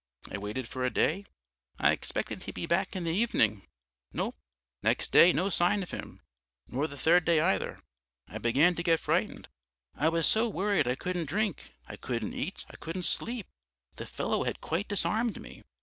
I waited for a day; I expected he'd be back in the evening no. Next day no sign of him, nor the third day either. I began to get frightened; I was so worried, I couldn't drink, I couldn't eat, I couldn't sleep. The fellow had quite disarmed me.